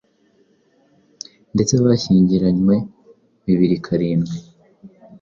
ndetse bashyingiranywe mu bibiri karindwi